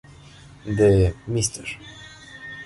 De Mr.